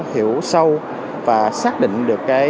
hiểu sâu và xác định được